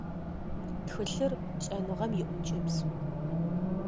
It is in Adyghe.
Тхылъыр - шӏэныгъэм иӏункӏыбз.